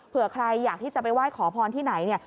ใครอยากที่จะไปไหว้ขอพรที่ไหนเนี่ย